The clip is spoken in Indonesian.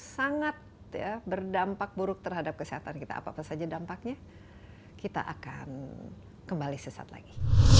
sangat ya berdampak buruk terhadap kesehatan kita apa apa saja dampaknya kita akan kembali sesaat lagi